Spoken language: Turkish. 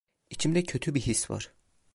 İçimde kötü bir his var.